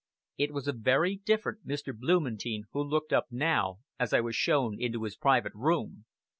It was a very different Mr. Blumentein who looked up now, as I was shown into his private room.